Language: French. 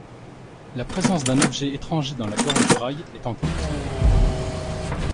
La présence d'un objet étranger dans la gorge du rail est en cause.